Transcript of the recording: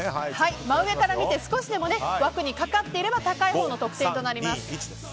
真上から見て少しでも枠にかかっていれば高いほうの得点となります。